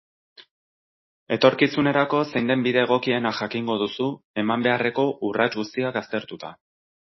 Etorkizunerako zein den bide egokiena jakingo duzu, eman beharreko urrats guztiak aztertuta.